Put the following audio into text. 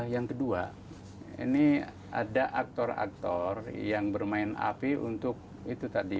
yang kedua ini ada aktor aktor yang bermain api untuk itu tadi